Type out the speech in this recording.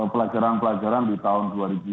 pelajaran pelajaran di tahun dua ribu sembilan belas